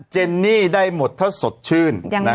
เจนนี่ได้หมดถ้าสดชื่น